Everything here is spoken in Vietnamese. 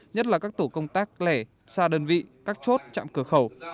nhất là các tổ công tác lẻ xa đơn vị cắt chốt chạm cửa khẩu